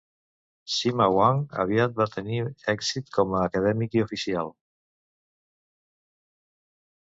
Sima Guang aviat va tenir èxit com a acadèmic i oficial.